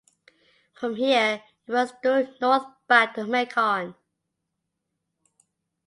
From here it runs due north back to Macon.